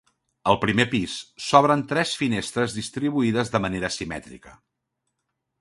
Al primer pis s'obren tres finestres distribuïdes de manera simètrica.